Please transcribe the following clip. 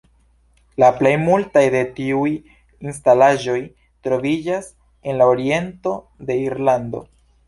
La plej multaj de tiuj instalaĵoj troviĝas en la oriento de Irlando.